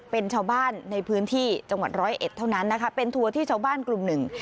เป็นชาวบ้านในพื้นที่จังหวัดร้อยเอ็ดเท่านั้นนะคะเป็นทัวร์ที่ชาวบ้านกลุ่มหนึ่ง